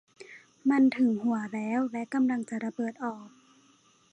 มันถึงหัวแล้วและกำลังจะระเบิดออก !